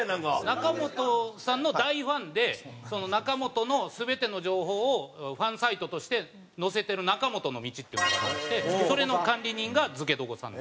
中本さんの大ファンで中本の全ての情報をファンサイトとして載せてる「中本の道」っていうのがありましてそれの管理人がづけとごさん。